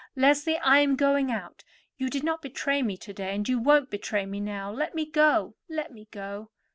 Leslie, I am going out; you did not betray me to day, and you won't betray me now. Let me go, let me go."